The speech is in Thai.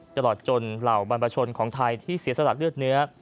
ตลอดจนเหล่าบรรพชนของไทยที่เสียสละเลือดเนื้อ